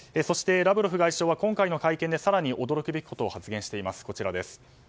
そして、ラブロフ外相は今回の会見で更に驚くべきことを発言しています。